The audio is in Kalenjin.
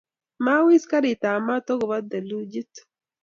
Mawis karitab maat akobo thelujit